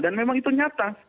dan memang itu nyata